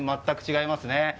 全く違いますね。